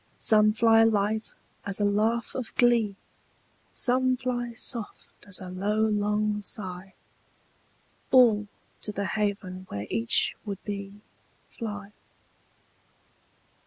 Some fly light as a laugh of glee, Some fly soft as a low long sigh: All to the haven where each would be Fly.